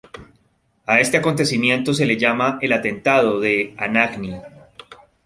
A este acontecimiento se le llama el atentado de Anagni.